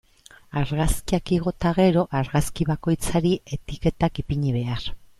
Argazkiak igo eta gero, argazki bakoitzari etiketak ipini behar.